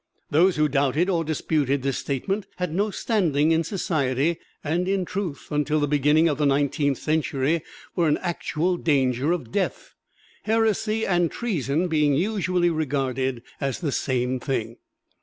Those who doubted or disputed this statement had no standing in society, and in truth, until the beginning of the Nineteenth Century, were in actual danger of death heresy and treason being usually regarded as the same thing.